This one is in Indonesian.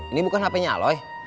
ini bukan hpnya aloy